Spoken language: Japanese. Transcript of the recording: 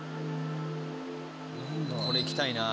これ行きたいな。